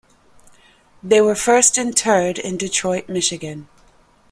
They were first interred in Detroit, Michigan.